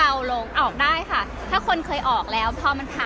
เดี๋ยวคุณไม่ได้ห่วงแทบเลยมั้ยคะ